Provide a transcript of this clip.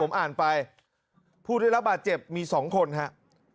ผมอ่านไปผู้ได้รับบาดเจ็บมี๒คนครับ